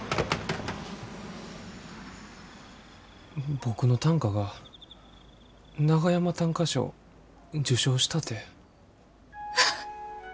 僕の短歌が長山短歌賞受賞したて。